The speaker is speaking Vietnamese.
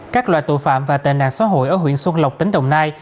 các loại tội phạm và tệ nạn xã hội ở huyện xuân lộc tỉnh đồng nai